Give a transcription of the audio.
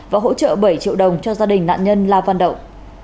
và hỗ trợ bảy triệu đồng cho gia đình nạn nhân la văn động